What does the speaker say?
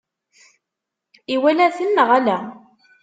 Iwala-ten neɣ ala?